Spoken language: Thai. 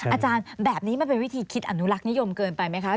อาจารย์แบบนี้มันเป็นวิธีคิดอนุรักษ์นิยมเกินไปไหมคะ